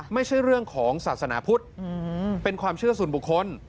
ไม่ใช่เรื่องของศาสนาพุทธเป็นความเชื่อส่วนบุคคล